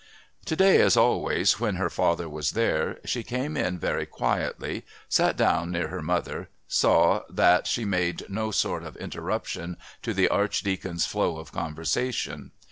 To day, as always when her father was there, she came in very quietly, sat down near her mother, saw that she made no sort of interruption to the Archdeacon's flow of conversation.